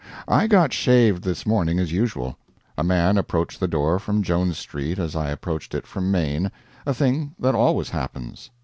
I got shaved this morning as usual. A man approached the door from Jones Street as I approached it from Main a thing that always happens.